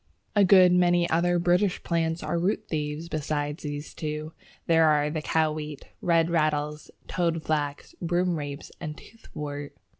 A good many other British plants are root thieves. Besides these two, there are the Cow wheat, Red Rattles, Toadflax, Broomrapes, and Toothwort.